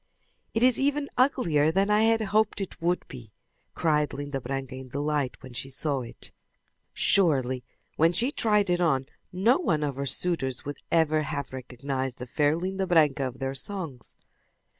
"It is even uglier than I had hoped it would be!" cried Linda Branca in delight when she saw it. Surely, when she tried it on no one of her suitors would ever have recognized the fair Linda Branca of their songs.